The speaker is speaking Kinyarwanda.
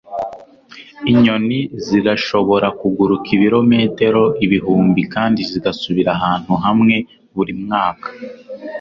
Inyoni zirashobora kuguruka ibirometero ibihumbi kandi zigasubira ahantu hamwe buri mwaka